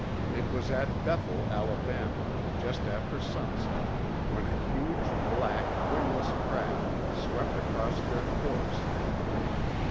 It was at Bethel, Alabama, just after sunset, when a huge black wingless craft swept across their course.